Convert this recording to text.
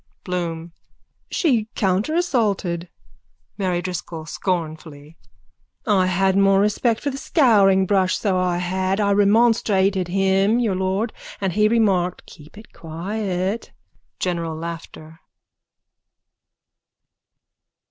BLOOM: She counterassaulted. MARY DRISCOLL: (Scornfully.) I had more respect for the scouringbrush, so I had. I remonstrated with him, Your lord, and he remarked: keep it quiet. _(General laughter.)